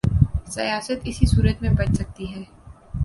سیاست اسی صورت میں بچ سکتی ہے۔